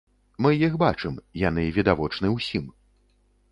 Мы іх бачым, яны відавочны ўсім.